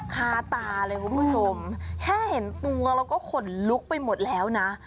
คาตาเลยคุณผู้ชมแค่เห็นตัวแล้วก็ขนลุกไปหมดแล้วนะ